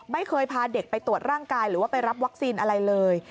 ไม่เคยพาเด็กไปตรวจร่างกายหรือว่าไปรับวัคซีนอะไรเลย